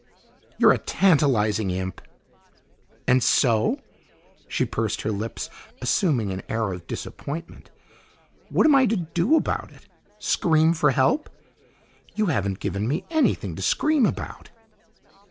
"You're a tantalizing imp!" "And so?" She pursed her lips, assuming an air of disappointment. "What am I to do about it scream for help? You haven't given me anything to scream about."